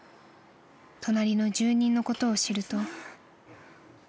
［隣の住人のことを知ると］